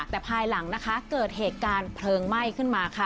แต่ภายหลังนะคะเกิดเหตุการณ์เพลิงไหม้ขึ้นมาค่ะ